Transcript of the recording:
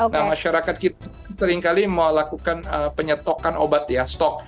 nah masyarakat kita seringkali melakukan penyetokan obat ya stok